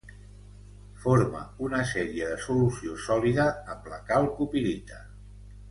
Forma una sèrie de solució sòlida amb la calcopirita.